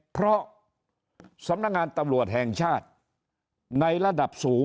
เพราะสำนักงานตำรวจแห่งชาติในระดับสูง